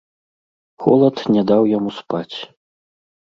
Холад не даў яму спаць.